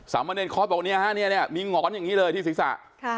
สำเมอร์เนรคอร์สแบบวันนี้อ่ะมีหงอนอย่างนี้เลยที่ศิษย์ศาสตร์